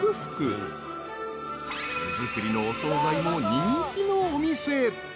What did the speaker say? ［手作りのお総菜も人気のお店］